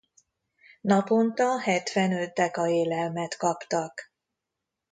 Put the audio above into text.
Naponta hetvenöt deka élelmet kaptak.